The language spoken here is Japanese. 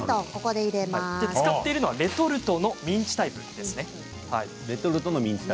使っているのはレトルトのミンチタイプですね。